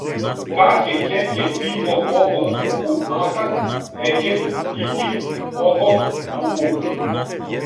кака кеке кики коко куку акак екек икик окок укук